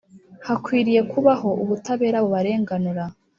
hakwiriye kubaho ubutabera bubarenganura